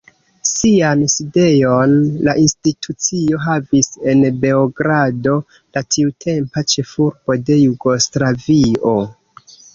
Sian sidejon la institucio havis en Beogrado, la tiutempa ĉefurbo de Jugoslavio.